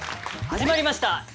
始まりました